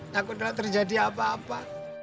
takutlah terjadi apa apa